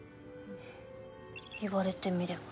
言われてみれば。